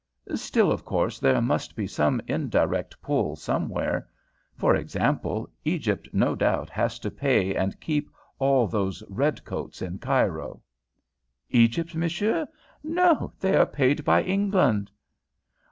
"Still, of course, there must be some indirect pull somewhere. For example, Egypt no doubt has to pay and keep all those red coats in Cairo." "Egypt, monsieur! No, they are paid by England."